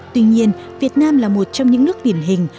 tuy nhiên việt nam là một trong những nước điển hình